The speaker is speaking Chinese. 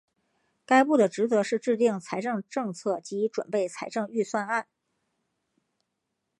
该部的职责是制定财政政策及准备财政预算案。